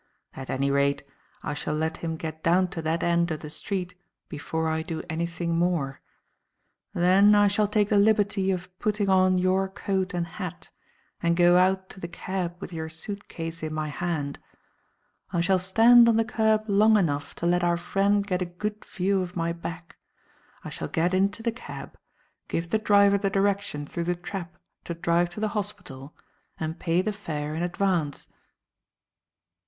At any rate, I shall let him get down to that end of the street before I do anything more. Then I shall take the liberty of putting on your coat and hat and go out to the cab with your suit case in my hand; I shall stand on the kerb long enough to let our friend get a good view of my back, I shall get into the cab, give the driver the direction through the trap to drive to the hospital, and pay the fare in advance."